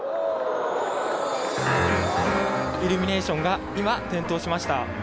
イルミネーションが今、点灯しました。